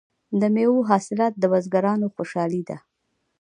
د میوو حاصلات د بزګرانو خوشحالي ده.